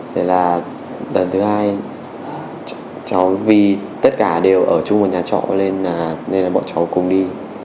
đây là lần thứ hai cháu vì tất cả đều ở chung một nhà trọ nên là bọn cháu cùng đi